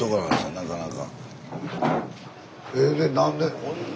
なかなか。